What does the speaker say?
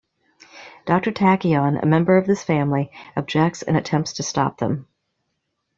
Doctor Tachyon, a member of this family, objects and attempts to stop them.